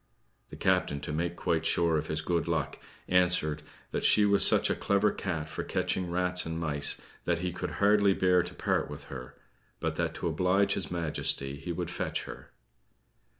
The captain, to make quite sure of his good luck, answered, that she was such a clever cat for catching rats and mice, that he could hardly bear to part with her; but that to oblige His Majesty he would fetch her.